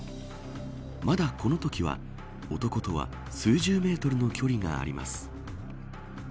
まだこのときは男とは数十メートルの距離があります。